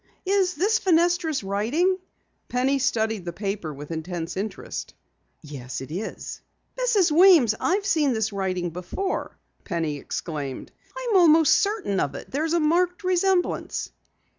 "Is this Fenestra's writing?" Penny studied the paper with intense interest. "Yes, it is." "Mrs. Weems, I've seen this writing before!" Penny exclaimed. "I'm almost certain of it. There's a marked resemblance!"